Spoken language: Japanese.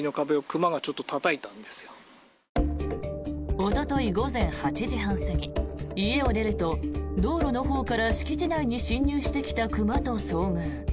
おととい午前８時半過ぎ家を出ると道路のほうから敷地内に侵入してきた熊と遭遇。